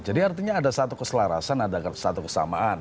jadi artinya ada satu keselarasan ada satu kesamaan